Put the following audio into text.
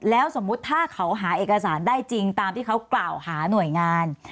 แล้วสมมุติถ้าเขาหาเอกสารได้จริงตามที่เขากล่าวหาหน่วยงาน